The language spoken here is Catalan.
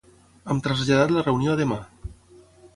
Hem traslladat la reunió a demà.